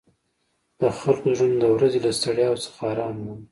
د خلکو زړونه د ورځې له ستړیاوو څخه آرام مومي.